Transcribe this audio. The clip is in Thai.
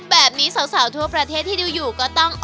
แบบนี้สาวทั่วประเทศที่ดูอยู่ก็ต้อง